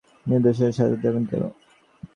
রসিকবাবুর অপরাধে আপনারা নির্দোষদের সাজা দেবেন কেন?